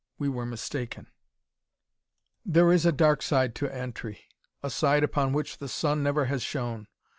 We were mistaken. "There is a dark side to Antri. A side upon which the sun never has shone.